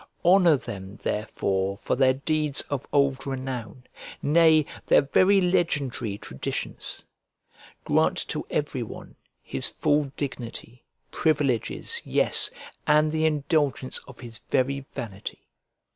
Honour them therefore for their deeds of old renown, nay, their very legendary traditions. Grant to every one his full dignity, privileges, yes, and the indulgence of his very vanity.